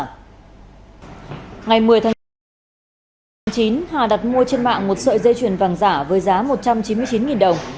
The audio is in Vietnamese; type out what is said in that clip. ngày một mươi tháng chín hà đặt mua trên mạng một sợi dây chuyền vàng giả với giá một trăm chín mươi chín đồng